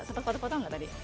sempat foto foto nggak tadi